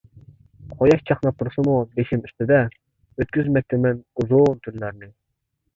قۇياش چاقناپ تۇرسىمۇ بېشىم ئۈستىدە، ئۆتكۈزمەكتىمەن ئۇزۇن تۈنلەرنى.